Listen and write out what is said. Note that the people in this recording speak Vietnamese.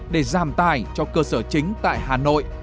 để giảm tài cho cơ sở chính tại hà nội